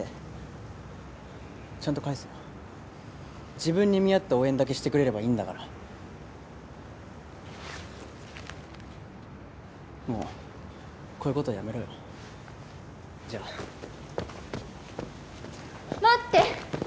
自分に見合った応援だけしてくれればいいんだからもうこういうことやめろよじゃあ待って！